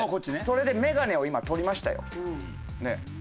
それでメガネを今取りましたよ。